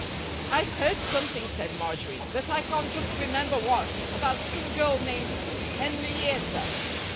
"I've heard something," said Marjory, "but I can't just remember what, about some girl named Henrietta."